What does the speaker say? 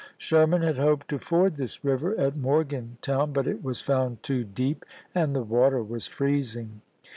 Sherman had hoped to ford this river at Morgantown, but it was found too deep, and the water was freezing.